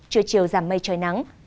trưa chiều giảm mây trời nắng